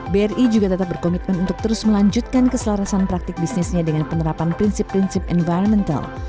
bri juga tetap berkomitmen untuk terus melanjutkan keselarasan praktik bisnisnya dengan penerapan prinsip prinsip environmental